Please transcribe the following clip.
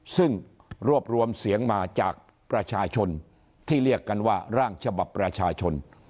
ซึ่งรวบรวมเสียงมาจากประชาชนที่เรียกกันว่าร่างฉบับประชาชน